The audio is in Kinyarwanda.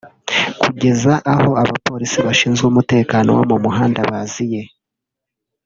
kugeza aho abapolisi bashinzwe umutekano wo mu muhanda baziye